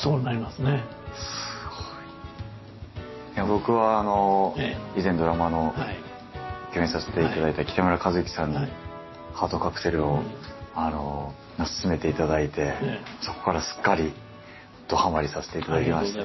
僕は以前ドラマの共演させていただいた北村一輝さんに「ハートカクテル」を薦めていただいてそこからすっかりどはまりさせていただきました。